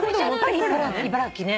茨城ね。